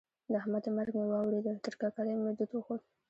د احمد د مرګ مې واورېدل؛ تر ککرۍ مې دود وخوت.